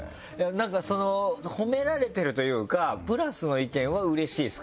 なんかその褒められてるというかプラスの意見はうれしいですか？